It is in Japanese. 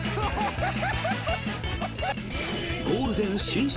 ゴールデン進出